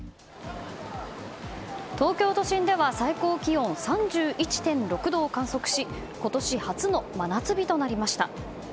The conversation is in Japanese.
東京都心では最高気温３１．６度を観測し今年初の真夏日となりました。